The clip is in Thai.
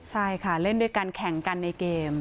ใช่ค่ะเล่นด้วยกันแข่งกันในเกม